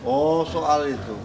oh soal itu